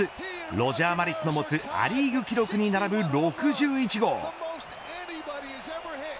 ロジャー・マリスの持つア・リーグ記録に並ぶ６１号。